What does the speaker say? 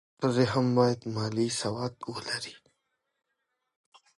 ښځې هم باید مالي سواد ولري.